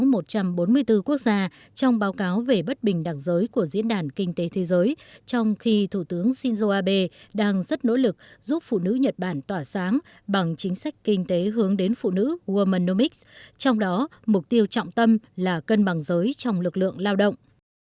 một trăm bốn mươi bốn quốc gia trong báo cáo về bất bình đẳng giới của diễn đàn kinh tế thế giới trong khi thủ tướng shinzo abe đang rất nỗ lực giúp phụ nữ nhật bản tỏa sáng bằng chính sách kinh tế hướng đến phụ nữ worlmanomics trong đó mục tiêu trọng tâm là cân bằng giới trong lực lượng lao động